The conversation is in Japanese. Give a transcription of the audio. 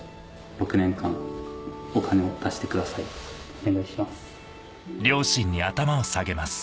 お願いします。